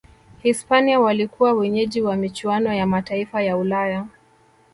hispania walikuwa wenyeji wa michuano ya mataifa ya ulaya